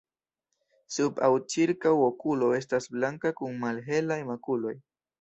Sub aŭ ĉirkaŭ okulo estas blanka kun malhelaj makuloj.